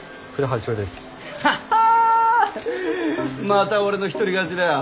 また俺の一人勝ちだよ。